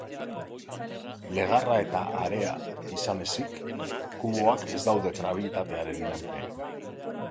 Legarra eta area izan ezik kuboak ez daude grabitatearen menpe.